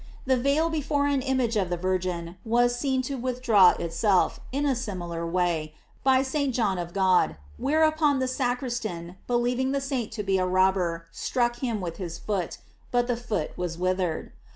The veil before an image of the Virgin was seen to with draw itself, in a similar way, by St. John of God, whereupon the sacristan, believing the saint to be a robber, struck him with his foot, but the foot was withered.